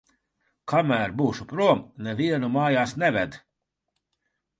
Kamēr būšu prom, nevienu mājās neved.